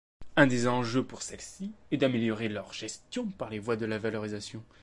Un des enjeux pour celles-ci est d'améliorer leur gestion par des voies de valorisation.